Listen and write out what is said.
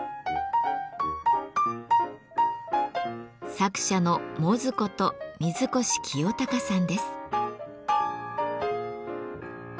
作者のＭｏｚｕこと水越清貴さんです。